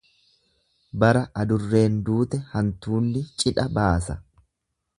Bara adurreen duute hantuunni cidha baasa.